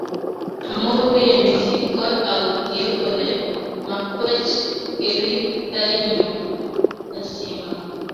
Amoruye mising kot outie kole makwech kerip tai nyo asima